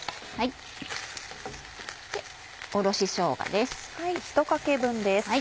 おろししょうがです。